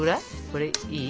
これいい？